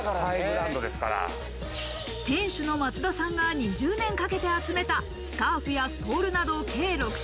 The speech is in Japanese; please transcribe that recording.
店主の松田さんが２０年かけて集めた、スカーフやストールなど計６点。